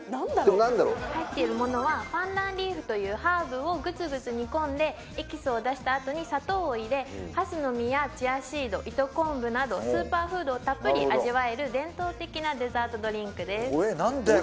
入っているものはパンダンリーフというハーブをグツグツ煮込んでエキスを出したあとに砂糖を入れ蓮の実やチアシード糸昆布などスーパーフードをたっぷり味わえる伝統的なデザートドリンクです何だよ